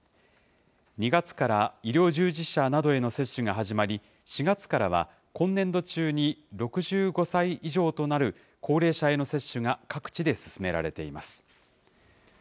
２月から医療従事者などへの接種が始まり、４月からは今年度中に６５歳以上となる高齢者への接種が各地で進められています。